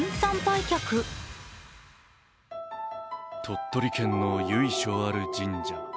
鳥取県の由緒ある神社。